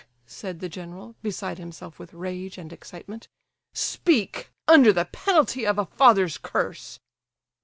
said the general, beside himself with rage and excitement; "speak—under the penalty of a father's curse!"